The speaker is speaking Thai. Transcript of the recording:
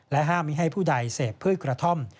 ห้ามไม่ให้ผู้ใดเสพพืชกระท่อม